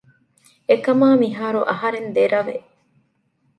އެކަމާ މިހާރު އަހަރެން ދެރަވެ